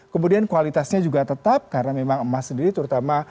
kemudian kualitasnya juga tetap karena memang emas sendiri terutama